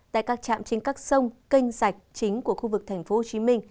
tại các trạm trên các sông canh sạch chính của khu vực tp hcm